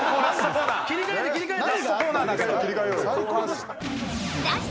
切り替えて切り替えて！